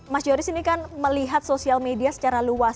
mas yoris ini kan melihat sosial media secara luas